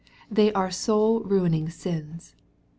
They are soul ruining sins.